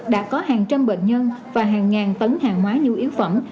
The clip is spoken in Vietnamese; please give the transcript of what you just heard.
đã có hàng trăm bệnh nhân và hàng ngàn tấn hàng hóa nhu yếu phẩm